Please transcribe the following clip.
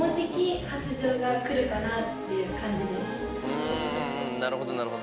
うんなるほどなるほど。